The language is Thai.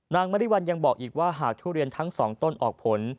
มริวัลยังบอกอีกว่าหากทุเรียนทั้งสองต้นออกผล